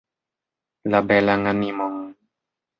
La belan animon.